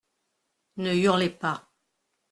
Ne hurlez pas.